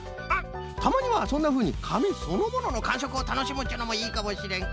たまにはそんなふうにかみそのもののかんしょくをたのしむっちゅうのもいいかもしれん。